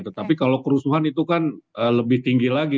tetapi kalau kerusuhan itu kan lebih tinggi lagi